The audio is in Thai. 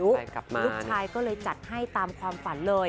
ลูกชายก็เลยจัดให้ตามความฝันเลย